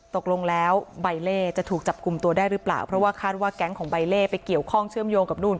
ตกลงแล้วใบเล่จะถูกจับกลุ่มตัวได้หรือเปล่าเพราะว่าคาดว่าแก๊งของใบเล่ไปเกี่ยวข้องเชื่อมโยงกับนู่น